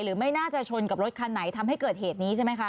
ไม่น่าจะชนกับรถคันไหนทำให้เกิดเหตุนี้ใช่ไหมคะ